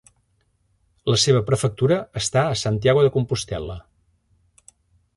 La seva Prefectura està a Santiago de Compostel·la.